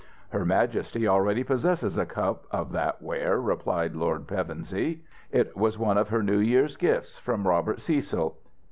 "Her majesty already possesses a cup of that ware," replied Lord Pevensey. "It was one of her New Year's gifts, from Robert Cecil.